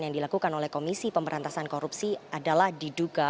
yang dilakukan oleh komisi pemberantasan korupsi adalah diduga